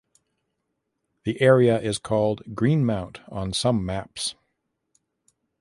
The area is called Greenmount on some maps.